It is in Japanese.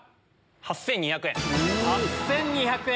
８２００円！